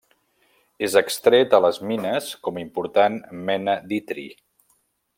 És extret a les mines com important mena d'itri.